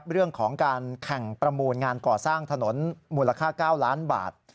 เรื่องของการแข่งประมูลงานก่อสร้างถนนมูลค่า๙ล้านบาท